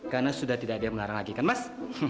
karena sudah tidak ada yang melarang lagi kan mas